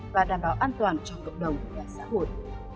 và đảm bảo an toàn cho cộng đồng và xã hội